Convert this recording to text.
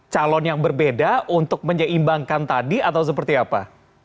calon yang berbeda untuk menyeimbangkan tadi atau seperti apa